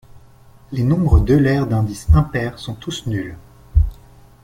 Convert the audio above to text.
Les nombres d'Euler d'indice impair sont tous nuls.